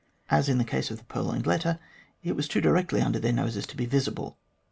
As in the case of the purloined letter, it was too directly under their noses to be visible.